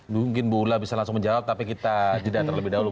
mungkin bu ula bisa langsung menjawab tapi kita jeda terlebih dahulu